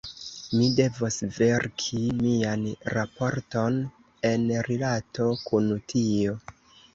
Mi devos verki mian raporton en rilato kun tio.